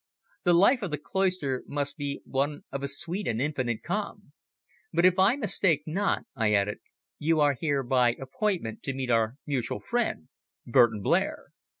"The life of the cloister must be one of a sweet and infinite calm. But if I mistake not," I added, "you are here by appointment to meet our mutual friend, Burton Blair."